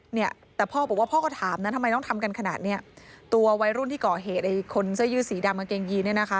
เนี่ยแต่พ่อบอกว่าพ่อก็ถามนะทำไมต้องทำกันขนาดเนี้ยตัววัยรุ่นที่ก่อเหตุไอ้คนเสื้อยืดสีดำกางเกงยีนเนี่ยนะคะ